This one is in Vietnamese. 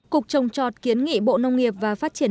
cục trồng trọt kiến nghị bộ nông nghiệp và phát triển